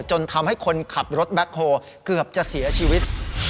จนทำให้คนขับรถแบ็คโฮลเกือบจะเสียชีวิต